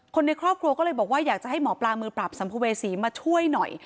คนในครอบครัวก็เลยบอกว่าอยากจะให้หมอปลามือปราบสัมภเวษีมาช่วยหน่อย